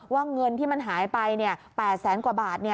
ว่าเงินที่มันหายไปเนี่ย๘แสนกว่าบาทเนี่ย